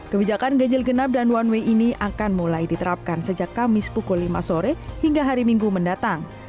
kebijakan ganjil genap dan one way ini akan mulai diterapkan sejak kamis pukul lima sore hingga hari minggu mendatang